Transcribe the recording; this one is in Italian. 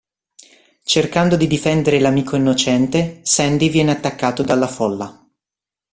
Cercando di difendere l'amico innocente, Sandy viene attaccato dalla folla.